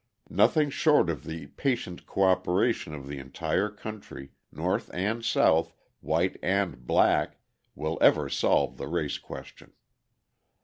Nothing short of the patient coöperation of the entire country, North and South, white and black, will ever solve the race question.